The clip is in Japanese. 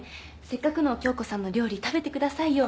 せっかくの響子さんの料理食べてくださいよ